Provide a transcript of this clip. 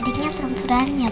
adiknya perempuannya pa